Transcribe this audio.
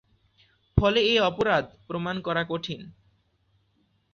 ফলে এ অপরাধ প্রমাণ করা কঠিন।